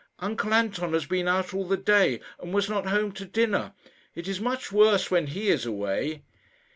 Uncle Anton has been out all the day, and was not home to dinner. It is much worse when he is away."